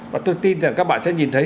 và tôi tin rằng các bạn sẽ nhìn thấy